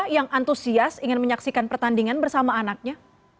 yang antusias ingin menyaksikan pertandingan bersama anaknya